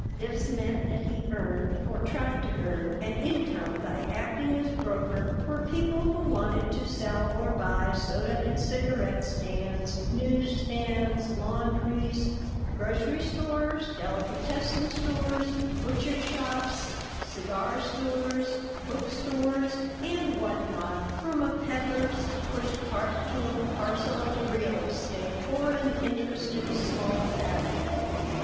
This meant that he earned, or tried to earn, an income by acting as broker for people who wanted to sell or buy soda and cigarette stands, news stands, laundries, grocery stores, delicatessen stores, butcher shops, cigar stores, book stores, and what not, from a peddier's push cart to a "parcel" of real estate or an interest in a small factory.